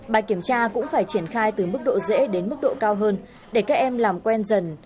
bài kiểm tra cũng phải triển khai từ mức độ dễ đến mức độ cao hơn để các em làm quen dần